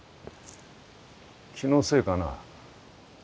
気のせいかな。